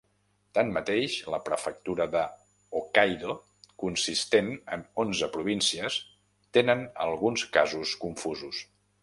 Tanmateix, la Prefectura de Hokkaido, consistent en onze províncies, tenen alguns casos confusos.